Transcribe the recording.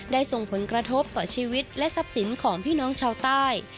ส่งผลกระทบต่อชีวิตและทรัพย์สินของพี่น้องชาวใต้